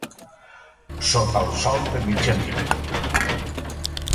Sota el sol de mitjanit.